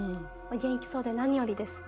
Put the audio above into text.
お元気そうでなによりです。